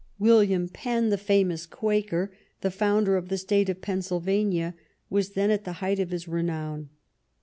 William Penn, the famous Quaker, the founder of the State of Pennsylvania, was then at the height of his renown.